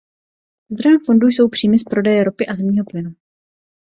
Zdrojem fondu jsou příjmy z prodeje ropy a zemního plynu.